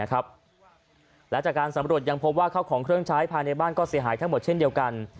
และจากการสำรวจยังพบว่าเข้าของเครื่องใช้ภายในบ้านก็เสียหายทั้งหมดเช่นเดียวกัน